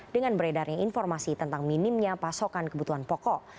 dengan beredarnya informasi tentang minimnya pasokan kebutuhan pokok